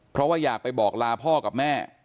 เพราะว่าอยากไปบอกลาพ่อกับแม่